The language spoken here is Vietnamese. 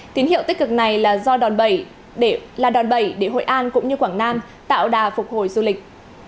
tín hiệu tích cực này là đòn bẩy để hội an cũng như quảng nam tạo đà phục hồi du lịch